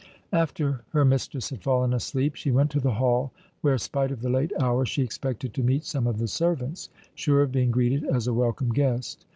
After her mistress had fallen asleep she went to the hall where, spite of the late hour, she expected to meet some of the servants sure of being greeted as a welcome guest.